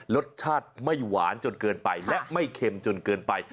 รสชาติไม่หวานจนเกินไปและไม่เค็มจนเกินไป